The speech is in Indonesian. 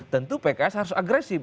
tentu pks harus agresif